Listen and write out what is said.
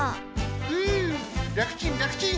ふうらくちんらくちん！